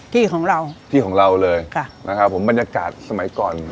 ที่ของเราที่ของเราเลยค่ะนะครับผมบรรยากาศสมัยก่อน